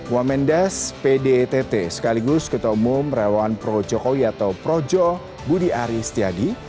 wamendas pdtt sekaligus ketua umum rewan pro jokowi atau projo budi ari setiadi